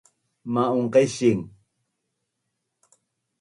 Ma’un qesing